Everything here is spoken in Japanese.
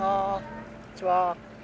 こんにちは。